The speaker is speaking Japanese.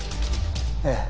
ええ